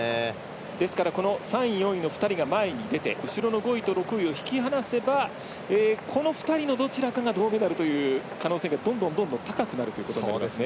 ですからこの３位、４位の２人が前に出て後ろの５位と６位を引き離せばこの２人のどちらかが銅メダルという可能性がどんどん高くなりますね。